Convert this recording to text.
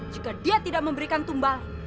jika dia tidak memberikan tumbang